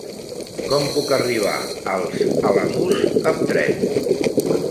Com puc arribar als Alamús amb tren?